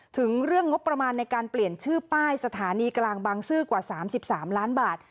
ถึงเรื่องงบประมาณในการเปลี่ยนชื่อป้ายสถานีกลางบางซื่อกว่า๓๓ล้านบาท